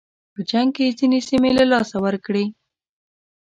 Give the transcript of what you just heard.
په جنګ کې یې ځینې سیمې له لاسه ورکړې.